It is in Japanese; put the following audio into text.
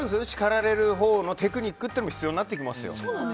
叱られるほうのテクニックっていうのも必要になってきますよ。